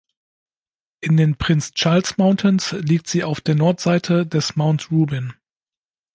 In den Prince Charles Mountains liegt sie auf der Nordseite des Mount Rubin.